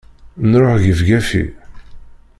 Nruḥ gefgafi!